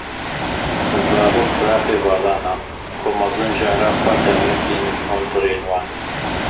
Zarok firaxên vala ne ku mezin jehra xwe diherikînin hindurên wan.